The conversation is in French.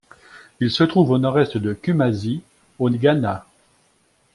Ils se trouvent au nord-est de Kumasi, au Ghana.